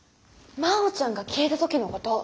真央ちゃんが消えた時のこと。